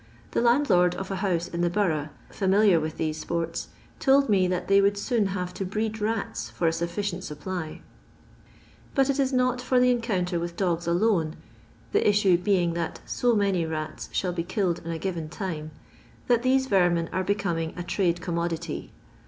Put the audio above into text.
The landlord of a house in the Borough, familiar with these sports, told me that they would soon have to breed rats for a sufficient supply I But it is not for the encounter with dogs alone, the issue being that so many raU shall be killed in a given time, that these vermin are becoming a trade commodity.